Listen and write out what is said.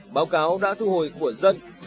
báo cáo đã thu hồi của dân